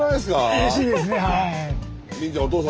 うれしいですね。